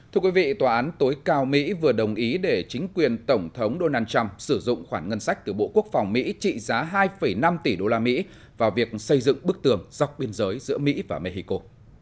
thưa quý vị tòa án tối cao mỹ vừa đồng ý để chính quyền tổng thống donald trump sử dụng khoản ngân sách từ bộ quốc phòng mỹ trị giá hai năm tỷ đô la mỹ vào việc xây dựng bức tường dọc biên giới giữa mỹ và mexico